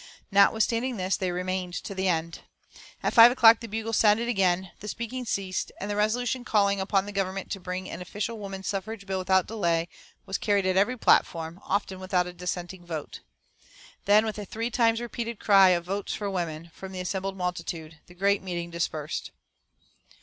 Notwithstanding this, they remained to the end. At five o'clock the bugles sounded again, the speaking ceased, and the resolution calling upon the Government to bring in an official woman suffrage bill without delay was carried at every platform, often without a dissenting vote. Then, with a three times repeated cry of "Votes for Women!" from the assembled multitude, the great meeting dispersed.